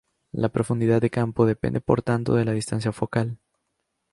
La profundidad de campo depende por tanto de la distancia focal.